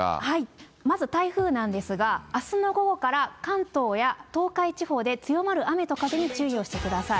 まず台風なんですが、あすの午後から、関東や東海地方で強まる雨と風に注意をしてください。